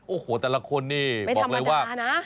โอ้โฮแต่ละคนนี่บอกเลยว่าไม่ธรรมดานะ